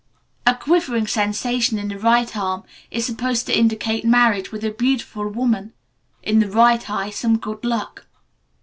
A quivering sensation in the right arm is supposed to indicate marriage with a beautiful woman; in the right eye some good luck.